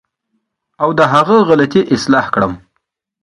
او د هغه غلطۍ اصلاح کړم.